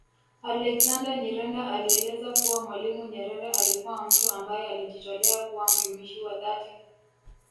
Alexander Nyirenda alieleza kuwa Mwalimu Nyerere alikuwa mtu ambaye alijitolea kuwa mtumishi wa dhati